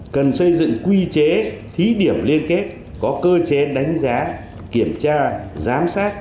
cần xây dựng quy chế thí điểm liên kết có cơ chế đánh giá kiểm tra giám sát